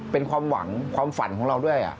เป็นความหวังความฝันของเราด้วย